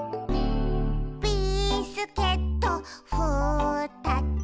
「ビスケットふたつ」